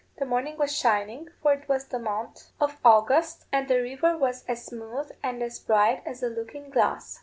The moon was shining, for it was in the month of August, and the river was as smooth and as bright as a looking glass.